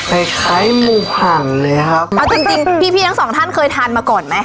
คล้ายคล้ายหมูหันเลยครับเอาจริงจริงพี่พี่ทั้งสองท่านเคยทานมาก่อนไหม